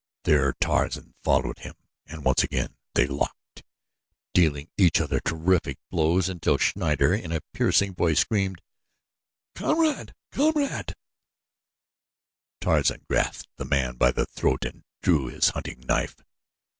There Tarzan followed him, and once again they locked, dealing each other terrific blows, until Schneider in a piercing voice screamed, "Kamerad! Kamerad!" Tarzan grasped the man by the throat and drew his hunting knife.